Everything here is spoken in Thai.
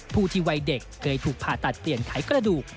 ผู้ที่วัยเด็กเคยถูกผ่าตัดเปลี่ยนไขกระดูก